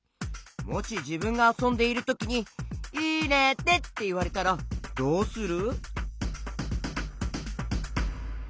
もしじぶんがあそんでいるときに「いれて」っていわれたらどうする？